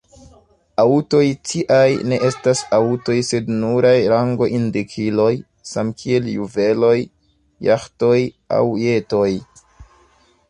Aŭtoj tiaj ne estas aŭtoj sed nuraj rango-indikiloj, samkiel juveloj, jaĥtoj aŭ jetoj.